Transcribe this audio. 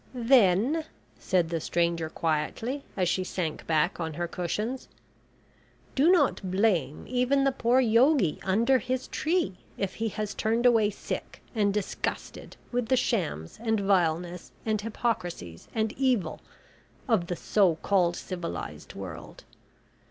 "Then," said the stranger quietly, as she sank back on her cushions, "do not blame even the poor Yogi under his tree if he has turned away sick and disgusted with the shams and vileness, and hypocrisies and evil, of the so called civilised world.